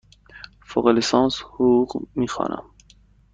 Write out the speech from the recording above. فوق لیسانس حقوق می خوانم.